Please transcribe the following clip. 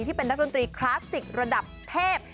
ที่เป็นนักดนตรีคลาสสิกระดับเทพ